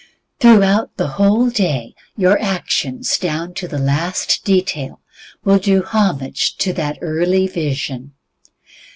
Throughout the whole day your actions, down to the last detail, will do homage to that early vision.